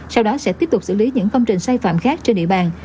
sau đó sẽ tiếp tục xử lý những công trình sai phạm khác trên địa bàn